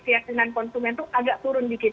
siasinan konsumen tuh agak turun dikit